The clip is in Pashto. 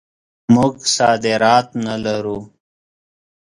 موږ صادرات نه لرو.